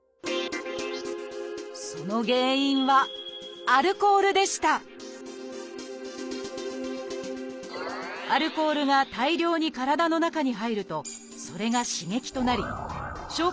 その原因はアルコールが大量に体の中に入るとそれが刺激となり消化